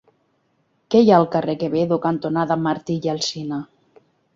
Què hi ha al carrer Quevedo cantonada Martí i Alsina?